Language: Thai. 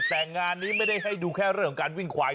แต่งานนี้ไม่ได้ให้ดูแค่เรื่องของการวิ่งควาย